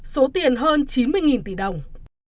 số tiền hơn chín mươi tỷ đồng